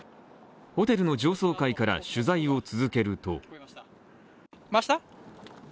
ホテルの上層階から取材を続けると回した？